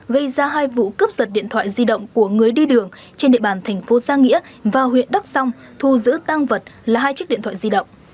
gây ra hai vụ cướp giật điện thoại di động của người đi đường trên địa bàn tp trang nghĩa vào huyện đắk sông thu giữ tăng vật là hai chiếc điện thoại di động